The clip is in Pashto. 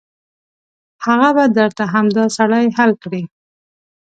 هغه به درته همدا سړی حل کړي.